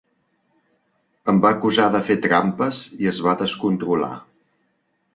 Em va acusar de fer trampes i es va descontrolar.